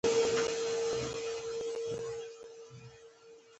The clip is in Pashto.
د نړیوالې شبکې له لارې د پوښتنو ځوابونه پیدا او معلومات شریکېږي.